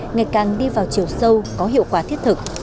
ngày càng đi vào chiều sâu có hiệu quả thiết thực